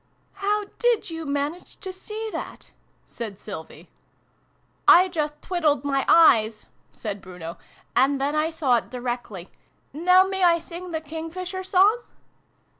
" How did you manage to see that ?" said Sylvie. " I just twiddled my eyes," said Bruno, " and then I saw it directly. Now may I sing the King fisher Song